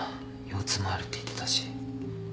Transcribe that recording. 腰痛もあるって言ってたし。